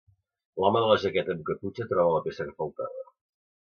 L'home de la jaqueta amb caputxa troba la peça que faltava.